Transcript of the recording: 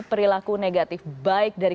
perilaku negatif baik dari